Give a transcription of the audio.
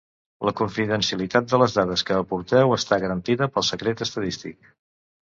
La confidencialitat de les dades que aporteu està garantida pel secret estadístic.